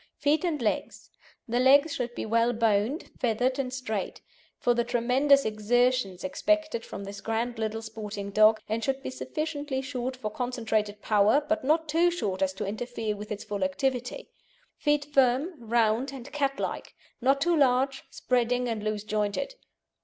FEET AND LEGS The legs should be well boned, feathered and straight, for the tremendous exertions expected from this grand little sporting dog, and should be sufficiently short for concentrated power, but not too short as to interfere with its full activity. Feet firm, round, and cat like, not too large, spreading, and loose jointed.